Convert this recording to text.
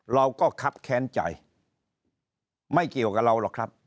เราก็คับแค้นใจไม่เกี่ยวกับเราหรอกครับ